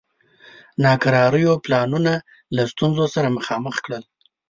ناکراریو پلانونه له ستونزو سره مخامخ کړل.